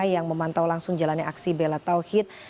yang memantau langsung jalannya aksi bela tauhid